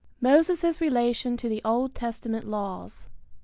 MOSES' RELATION TO THE OLD TESTAMENT LAWS.